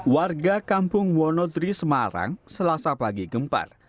warga kampung wonodri semarang selasa pagi gempar